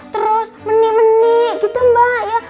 terus menik menik gitu mbak ya